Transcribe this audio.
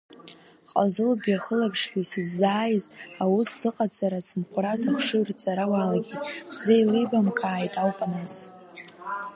Ҟазылбеи ахылаԥшҩы, сыззааиз аус сзыҟаҵара ацымхәрас, ахшыҩ рҵара уалагеит, хзеилибамкааит ауп нас.